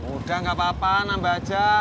udah gak apa apa nambah aja